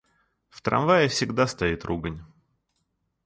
В трамвае всегда стоит ругань.